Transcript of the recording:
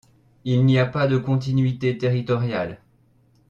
Il n’y a pas de continuité territoriale.